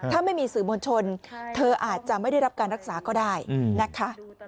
ถ้าไม่มีสื่อมวลชนเธออาจจะไม่ได้รับการรักษาก็ได้นะคะ